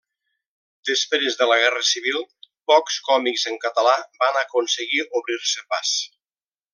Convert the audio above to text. Després de la Guerra civil, pocs còmics en català van aconseguir obrir-se pas.